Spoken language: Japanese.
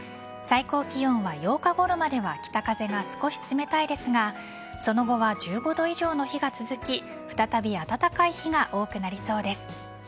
最高気温は８日ごろまでは北風が少し冷たいですがその後は１５度以上の日が続き再び暖かい日が多くなりそうです。